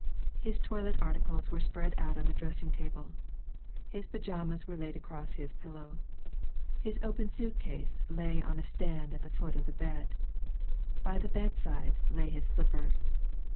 His toilet articles were spread out on the dressing table; his pyjamas were laid across his pillow; his open suit case lay on a stand at the foot of the bed; by the bedside lay his slippers.